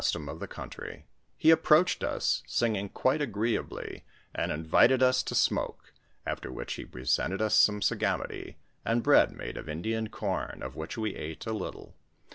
nstom of the country; he approached us, singing quite agreeably, and invited us to smoke, after which he present ed U8 some sagamity and bread made of Indian corn, of which we ate a little.